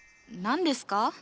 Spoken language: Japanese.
何ですか？